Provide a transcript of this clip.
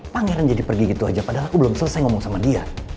pangeran jadi pergi gitu aja padahal aku belum selesai ngomong sama dia